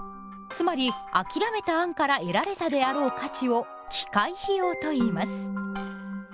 つまり諦めた案から得られたであろう価値を機会費用といいます。